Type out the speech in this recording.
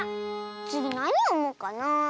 つぎなによもうかなあ。